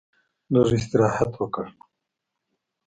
لږ استراحت وکړ.